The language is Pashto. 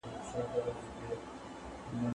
د ټولنیز انسجام د ساتلو هڅه وکړه.